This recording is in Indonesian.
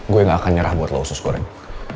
gue gak akan nyerah buat lo khusus goreng